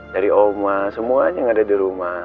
dari oma semuanya yang ada di rumah